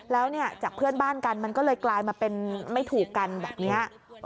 แล้วเนี่ยจากเพื่อนบ้านกันมันก็เลยกลายมาเป็นไม่ถูกกันแบบนี้